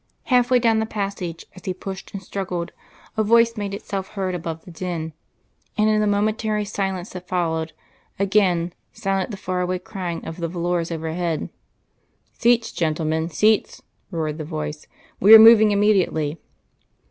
Half way down the passage, as he pushed and struggled, a voice made itself heard above the din; and in the momentary silence that followed, again sounded the far away crying of the volors overhead. "Seats, gentlemen, seats," roared the voice. "We are moving immediately."